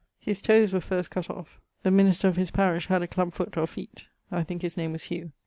His toes were first cutt off. The minister of his parish had a clubbe foote or feete (I think his name was Hugh).